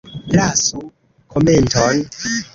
Lasu komenton!